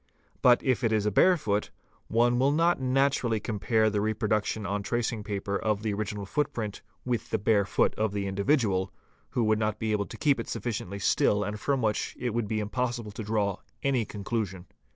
But if it is a bare foot, one will not naturally com pare the reproduction on tracing paper of the original footprint with the bare foot of the individual, who would not be able to keep it sufficiently ) still and from which it would be impossible to draw any conclusion.